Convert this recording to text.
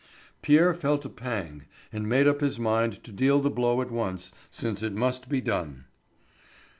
Pierre felt a pang, and made up his mind to deal the blow at once, since it must be done.